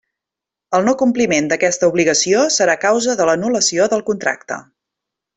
El no-compliment d'aquesta obligació serà causa de l'anul·lació del contracte.